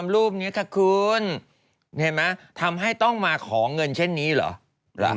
รูปนี้ค่ะคุณเห็นไหมทำให้ต้องมาขอเงินเช่นนี้เหรอ